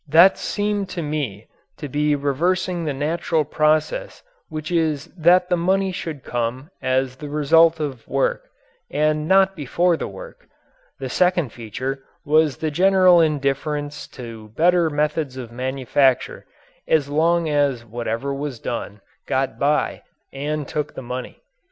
That seemed to me to be reversing the natural process which is that the money should come as the result of work and not before the work. The second feature was the general indifference to better methods of manufacture as long as whatever was done got by and took the money.